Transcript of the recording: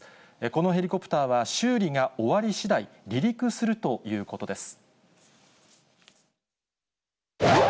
このヘリコプターは、修理が終わりしだい、離陸するということです。